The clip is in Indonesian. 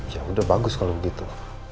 ya udah bagus kalau begitu